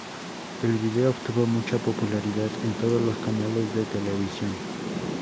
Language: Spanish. El video obtuvo mucha popularidad en todos los canales de televisión.